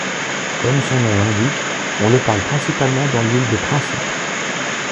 Comme son nom l'indique, on le parle principalement dans l'île de Principe.